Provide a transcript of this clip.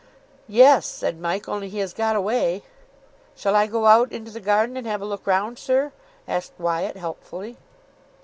"Yes," said Mike, "only he has got away." "Shall I go out into the garden, and have a look round, sir?" asked Wyatt helpfully.